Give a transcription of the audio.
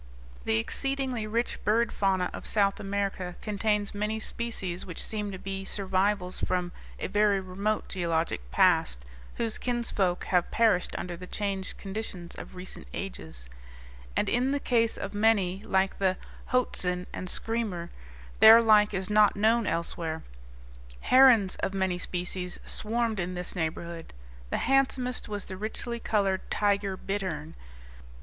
The exceedingly rich bird fauna of South America contains many species which seem to be survivals from a very remote geologic past, whose kinsfolk have perished under the changed conditions of recent ages; and in the case of many, like the hoatzin and screamer, their like is not known elsewhere. Herons of many species swarmed in this neighborhood. The handsomest was the richly colored tiger bittern.